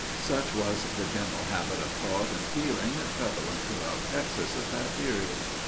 Such was the general habit of thought and feeling prevalent throughout Texas at that period.